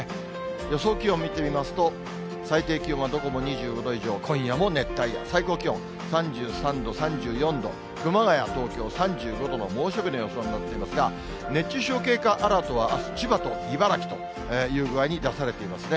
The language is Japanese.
予想気温見てみますと、最低気温はどこも２５度以上、今夜も熱帯夜、最高気温、３３度、３４度、熊谷、東京、３５度の猛暑日の予想になっていますが、熱中症警戒アラートはあす、千葉と茨城という具合に出されていますね。